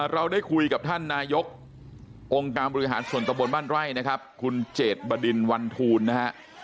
เราได้คุยกับท่านนายกองค์การบริหารส่วนตะบนบ้านไร่นะครับคุณเจดบดินวันทูลนะฮะ